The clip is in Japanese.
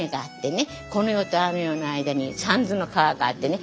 この世とあの世の間に三途の川があってね